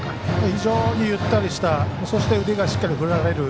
非常にゆったりしたそして、腕がしっかり振られる。